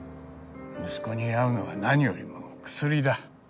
息子に会うのが何よりもの薬だ。